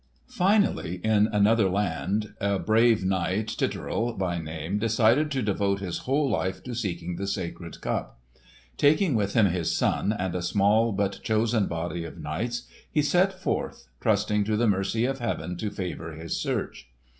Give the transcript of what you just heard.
Finally in another land a brave knight, Titurel by name, decided to devote his whole life to seeking the sacred Cup. Taking with him his son, and a small but chosen body of knights, he set forth trusting to the mercy of Heaven to favour his search.